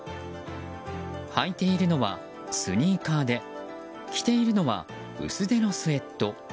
履いているのはスニーカーで着ているのは薄手のスウェット。